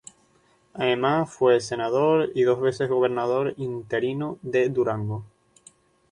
Además fue senador y dos veces gobernador interino de Durango.